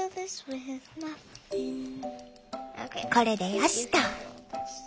これでよしと。